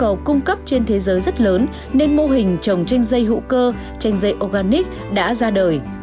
nhu cầu cung cấp trên thế giới rất lớn nên mô hình trồng chanh dây hữu cơ chanh dây organic đã ra đời